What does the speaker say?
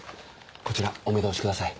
こちらお目通しください。